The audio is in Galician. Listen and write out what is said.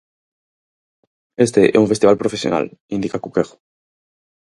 Este é un festival profesional, indica Cuquejo.